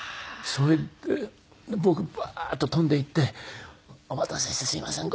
それで僕バーッと飛んで行って「お待たせしてすみません。